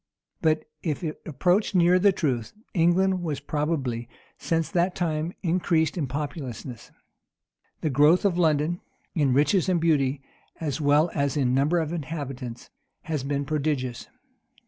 But if it approached near the truth, England has probably, since that time, increased in populousness. The growth of London, in riches and beauty, as well as in numbers of inhabitants, has been prodigious.